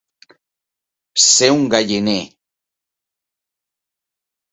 Ser un galliner.